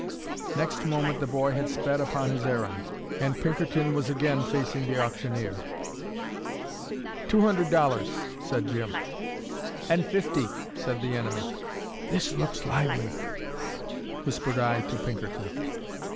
Next moment the boy had sped upon his errand, and Pinkerton was again facing the auctioneer. "Two hundred dollars," said Jim. "And fifty," said the enemy. "This looks lively," whispered I to Pinkerton.